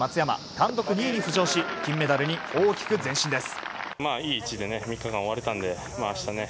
単独２位に浮上し金メダルに大きく前進です。